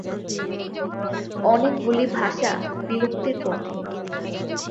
অনেকগুলি ভাষা বিলুপ্তির পথে।